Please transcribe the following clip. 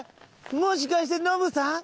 もしかしてノブさん？